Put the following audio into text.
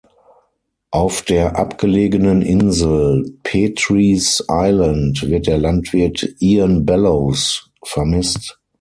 Auf der abgelegenen Insel Petrie’s Island wird der Landwirt Ian Bellows vermisst.